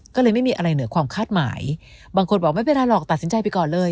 ก็เลยไม่มีอะไรเหนือความคาดหมายบางคนบอกไม่เป็นไรหรอกตัดสินใจไปก่อนเลย